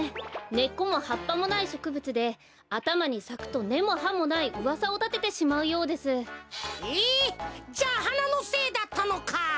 根っこも葉っぱもないしょくぶつであたまにさくと根も葉もないうわさをたててしまうようです。え！じゃあはなのせいだったのか。